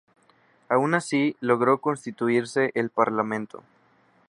Aun así, logró constituirse el parlamento.